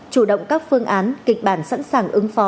chủ động các phương án kịch bản sẵn sàng ứng phó